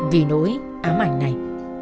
vì nỗi ám ảnh này